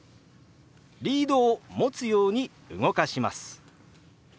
リードを持つように動かします。